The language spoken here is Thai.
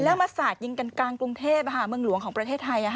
แล้วมาสาดยิงกันกลางกรุงเทพเมืองหลวงของประเทศไทย